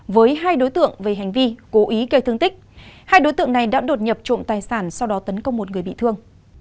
với hai đối tượng về hành vi cố ý gây thương tích hai đối tượng này đã đột nhập trộm tài sản sau đó tấn công một người bị thương